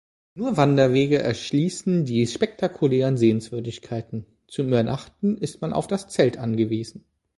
Nur Wanderwege erschließen die spektakulären Sehenswürdigkeiten, zum Übernachten ist man auf das Zelt angewiesen.